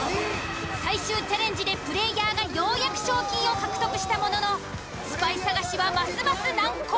最終チャレンジでプレイヤーがようやく賞金を獲得したもののスパイ探しはますます難航。